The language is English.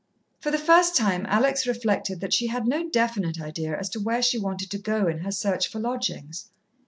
For the first time Alex reflected that she had no definite idea as to where she wanted to go in her search for lodgings.